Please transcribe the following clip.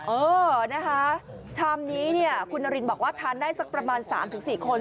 เออนะคะชามนี้เนี่ยคุณนารินบอกว่าทานได้สักประมาณ๓๔คน